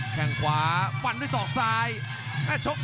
อย่าหลวนนะครับที่เตือนทางด้านยอดปรับศึกครับ